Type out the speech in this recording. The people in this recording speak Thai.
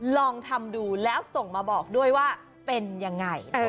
ลองทำดูแล้วส่งมาบอกด้วยว่าเป็นยังไง